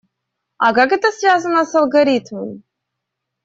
А как это связано с алгоритмом?